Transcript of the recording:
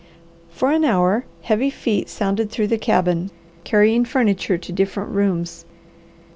For an hour heavy feet sounded through the cabin carrying furniture to different rooms.